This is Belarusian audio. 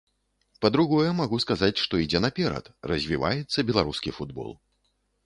Па-другое, магу сказаць, што ідзе наперад, развіваецца беларускі футбол.